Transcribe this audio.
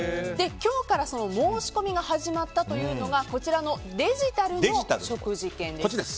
今日から申し込みが始まったというのがデジタルの食事券です。